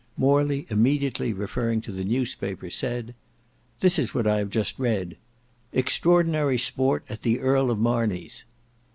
Morley immediately referring to the newspaper said, "This is what I have just read— "EXTRAORDINARY SPORT AT THE EARL OF MARNEY'S.